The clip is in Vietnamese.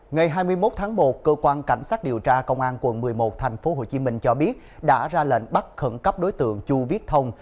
ngày hai mươi một tháng một cơ quan cảnh sát điều tra công an quận một mươi một tp hcm cho biết đã ra lệnh bắt khẩn cấp đối tượng chu viết thông